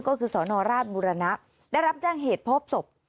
ก็คือสนราชบุรณะได้รับแจ้งเหตุพบศพ